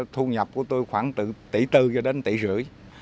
thu nhập của tôi khoảng từ tỷ tư cho đến tỷ rưỡi